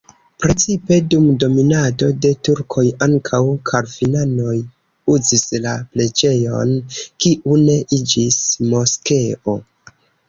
Precipe dum dominado de turkoj ankaŭ kalvinanoj uzis la preĝejon, kiu ne iĝis moskeo.